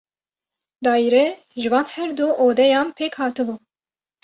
Daîre ji van her du odeyan pêk hatibû.